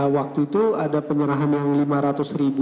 waktu itu ada penyerahan yang lima ratus ribu